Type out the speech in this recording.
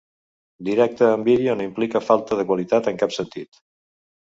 Directe en vídeo no implica falta de qualitat en cap sentit.